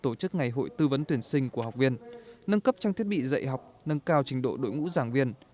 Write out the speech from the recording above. tổ chức ngày hội tư vấn tuyển sinh của học viên nâng cấp trang thiết bị dạy học nâng cao trình độ đội ngũ giảng viên